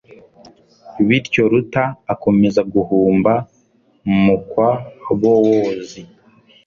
bityo ruta akomeza guhumba mu kwa bowozi